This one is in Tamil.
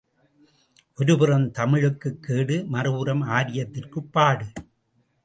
ஒருபுறம் தமிழுக்குக் கேடு, மறுபுறம் ஆரியத்திற்குப் பாடு!